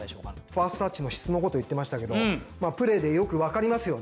ファーストタッチの質のこと言ってましたけどプレーでよく分かりますよね。